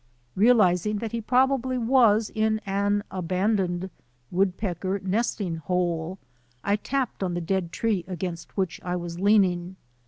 Realizing that he probably was in an abandoned woodpecker nesting hole, I tapped on the dead tree against which I was leaning.